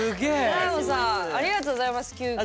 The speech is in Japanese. だーごさんありがとうございます急きょ。